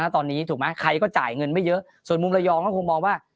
ตอนนี้ถูกไหมใครก็จ่ายเงินไม่เยอะส่วนมุมระยองก็คงมองว่า